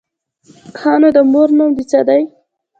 _ښه نو، د مور نوم دې څه دی؟